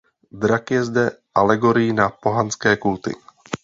Drak je zde alegorií na pohanské kulty.